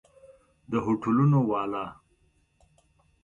د هوټلونو والا!